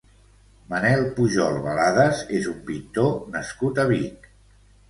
Manel Pujol Baladas és un pintor nascut a Vic.